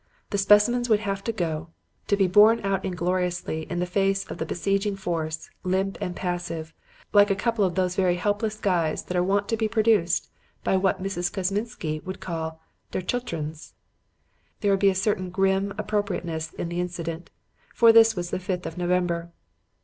The specimens would have to go; to be borne out ingloriously in the face of the besieging force, limp and passive, like a couple of those very helpless guys that are wont to be produced by what Mrs. Kosminsky would call 'der chiltrens.' There would be a certain grim appropriateness in the incident. For this was the fifth of November.